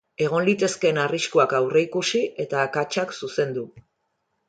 Egon litezkeen arriskuak aurreikusi eta akatsak zuzendu.